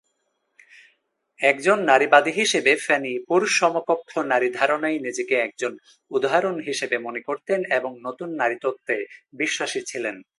একজন নারীবাদী হিসেবে ফ্যানি পুরুষ সমকক্ষ নারী ধারণায় নিজেকে একজন উদাহরণ হিসেবে মনে করতেন এবং নতুন নারী তত্ত্বে বিশ্বাসী ছিলেন।